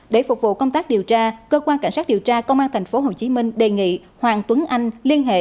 để phục vụ công tác điều tra cơ quan cảnh sát điều tra công an tp hcm đề nghị hoàng tuấn anh liên hệ